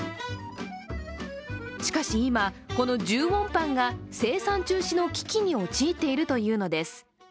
しかし今、この１０ウォンパンが生産中止の危機に陥っているというのです。